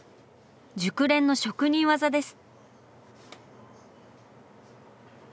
熟練の職人技です。